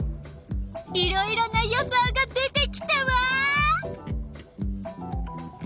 いろいろな予想が出てきたわ！